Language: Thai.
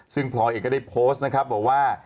ซึ่งพลอยเองก็ได้โพสต์นะครับบอกว่า